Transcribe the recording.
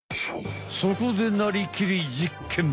そこで「なりきり！実験！」。